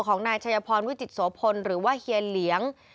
ของนายชัยพรวิจิตโสพลหรือว่าเฮียเหลียง